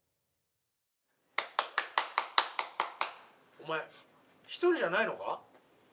お前、１人じゃないのか。